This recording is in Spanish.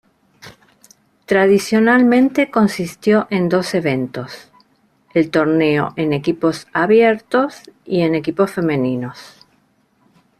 Tradicionalmente consistió en dos eventos, el torneo en equipos abiertos y en equipos femeninos.